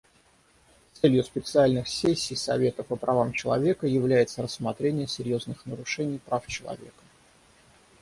Целью специальных сессий Совета по правам человека является рассмотрение серьезных нарушений прав человека.